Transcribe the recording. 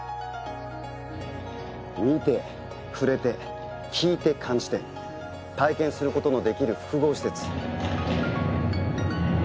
見て触れて聞いて感じて体験することのできる複合施設。